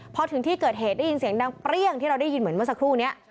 พอถึงที่เกิดเหตุได้ยินเสียงดังเปรี้ยงที่เราได้ยินเหมือนเมื่อสักครู่นี้